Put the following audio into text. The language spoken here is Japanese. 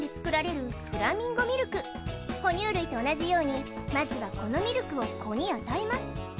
哺乳類と同じようにまずはこのミルクを子に与えます